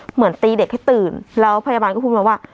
เหมือนตีเด็กให้ตื่นแล้วพยาบาลก็พูดมาว่า